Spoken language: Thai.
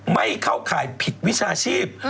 ไม่เข้าข่ายผิดวิชาชีพ